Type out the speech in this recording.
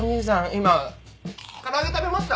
今唐揚げ食べました？